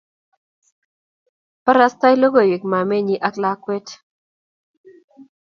barastai logoywek mamaenyi ak lakwet